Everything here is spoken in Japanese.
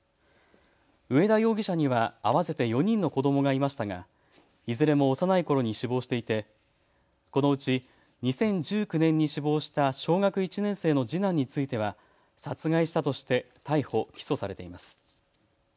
上田容疑者には合わせて４人の子どもがいましたがいずれも幼いころに死亡していてこのうち２０１９年に死亡した小学１年生の次男については殺害したとして逮捕・起訴されています。